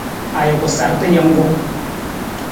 Ajuku sarta jungku.